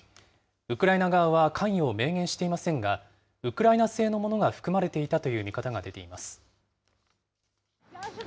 ウクライナ側は関与を明言していませんが、ウクライナ製のものが含まれていたと。